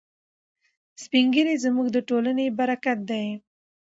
سپین ږیري زموږ د ټولنې برکت دی.